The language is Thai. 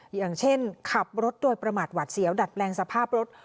อย่างเช่นขับรถโดยประมาทหวัดเสียวดัดแปลงสภาพรถ